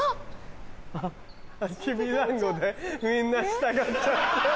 あっきびだんごでみんな従っちゃう？